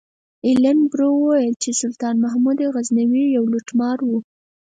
ایلن برو ویل چې سلطان محمود غزنوي یو لوټمار و.